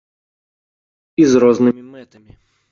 І з рознымі мэтамі.